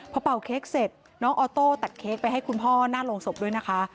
พอเป่าเค้กเสร็จน้องออโต้ตัดเค้กไปให้คุณพ่อหน้าโรงศพด้วยนะคะ